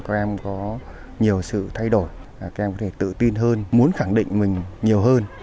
các em có nhiều sự thay đổi các em có thể tự tin hơn muốn khẳng định mình nhiều hơn